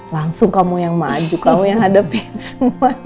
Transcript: langsung kamu yang maju kamu yang hadapin semua